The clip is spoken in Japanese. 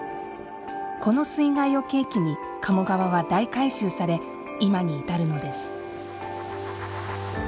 この水害を契機に鴨川は大改修され今に至るのです。